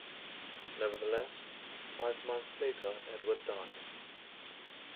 Nevertheless, five months later Edward died.